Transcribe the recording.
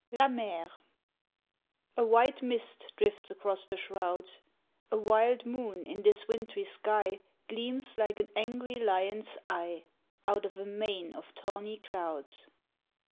LA MER A WHITE mist drifts across the shrouds, A wild moon in this wintry sky Gleams like an angry lion's eye Out of a mane of tawny clouds.